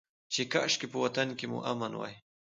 چې کاشکي په وطن کې مو امن وى.